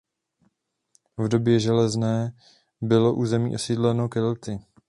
V době železné bylo území osídleno Kelty.